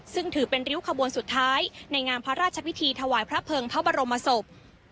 ซึ่งถือเป็นริ้วขบวนสุดท้ายในงานพระราชพิธีถวายพระเภิงพระบรมศพ